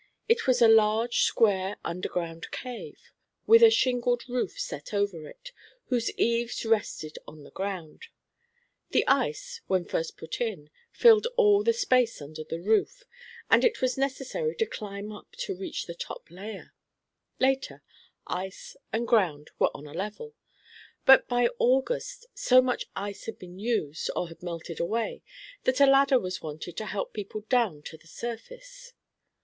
It was a large, square underground cave, with a shingled roof set over it, whose eaves rested on the ground. The ice when first put in, filled all the space under the roof, and it was necessary to climb up to reach the top layer; later, ice and ground were on a level, but by August so much ice had been used or had melted away, that a ladder was wanted to help people down to the surface.